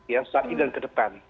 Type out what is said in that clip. ya saat ini dan ke depan